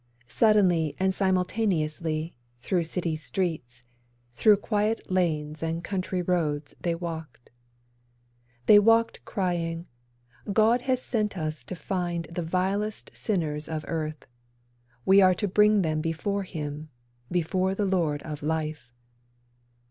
Suddenly and simultaneously, through city streets, Through quiet lanes and country roads they walked. They walked crying: 'God has sent us to find The vilest sinners of earth. We are to bring them before Him, before the Lord of Life.